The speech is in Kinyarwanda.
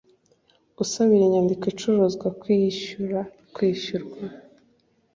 Usabira inyandiko icuruzwa kwishyurwa